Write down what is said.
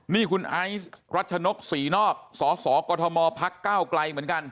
นี่คุณไอซ์รัชนกศรีนอกสสกมพักเก้าไกลเหมือนกัน